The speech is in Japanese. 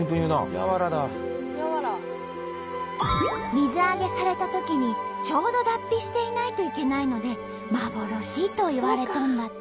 水揚げされたときにちょうど脱皮していないといけないので幻といわれとんだって。